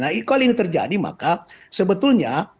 nah kalau ini terjadi maka sebetulnya